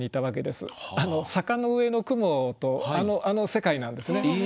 「坂の上の雲」とあの世界なんですね。